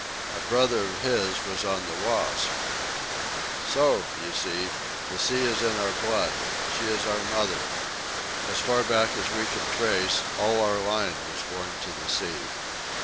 A brother of his was on the Wasp. "So, you see, the sea is in our blood. She is our mother. As far back as we can trace all our line was born to the sea."